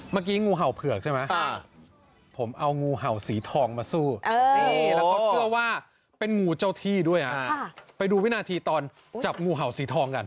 งูเห่าเผือกใช่ไหมผมเอางูเห่าสีทองมาสู้แล้วเขาเชื่อว่าเป็นงูเจ้าที่ด้วยไปดูวินาทีตอนจับงูเห่าสีทองกัน